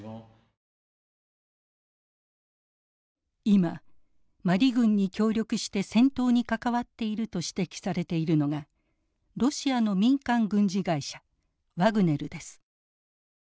今マリ軍に協力して戦闘に関わっていると指摘されているのがロシアの民間軍事会社ワグネルです。